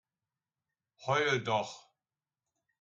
Heul doch!